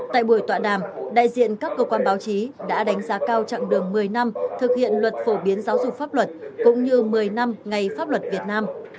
tại buổi tọa đàm đại diện các cơ quan báo chí đã đánh giá cao trạng đường một mươi năm thực hiện luật phổ biến giáo dục pháp luật cũng như một mươi năm ngày pháp luật việt nam